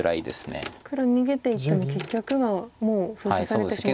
黒逃げていっても結局はもう封鎖されてしまうと。